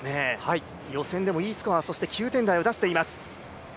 予選でもいいスコア、そして９点台を出しています。